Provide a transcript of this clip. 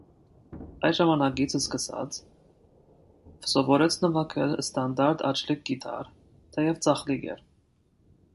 Այդ ժամանակից սկսած՝ սովորեց նվագել ստանդարտ «աջլիկ» կիթառ, թեև ձախլիկ էր։